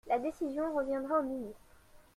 La décision reviendra au ministre.